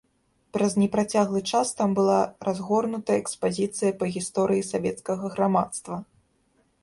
Праз непрацяглы час там была разгорнута экспазіцыя па гісторыі савецкага грамадства.